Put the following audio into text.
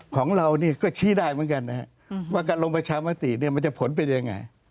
ของเรานี่ก็ชี้ได้เหมือนกันนะครับว่าการลงประชามติเนี่ยมันจะผลเป็นยังไง